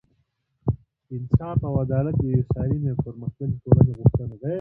انصاف او عدالت د یوې سالمې او پرمختللې ټولنې غوښتنه ده.